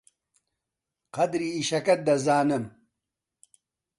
قەدری ئیشەکەت دەزانم.